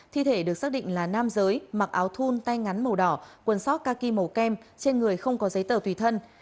thi thể được xác định là nam giới mặc áo thun tay ngắn màu đỏ quần sóc caki màu kem trên người không có giấy tờ tùy thân